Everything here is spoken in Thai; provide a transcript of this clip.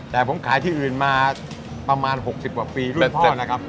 แต่ผมขายที่อื่นมาประมาณหกสิบบาทปีรุ่นพ่อนะครับ